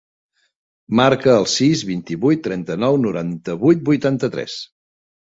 Marca el sis, vint-i-vuit, trenta-nou, noranta-vuit, vuitanta-tres.